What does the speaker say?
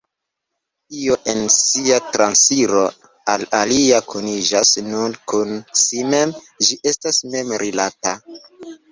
Io en sia transiro al alia kuniĝas nur kun si mem, ĝi estas mem-rilata.